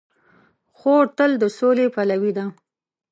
خور تل د سولې پلوي ده.